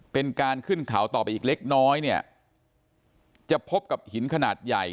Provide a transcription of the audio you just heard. เป็นการขึ้นเขาต่อไปอีกเล็กน้อยเนี่ยจะพบกับหินขนาดใหญ่